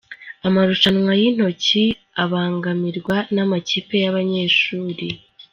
Amarushanwa yintoki abangamirwa n’amakipe y’abanyeshuri